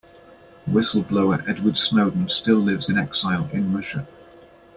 Whistle-blower Edward Snowden still lives in exile in Russia.